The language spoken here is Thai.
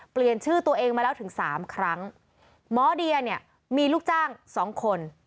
เปลี่ยนชื่อตัวเองมาแล้วถึงสามครั้งหมอเดียเนี่ยมีลูกจ้างสองคน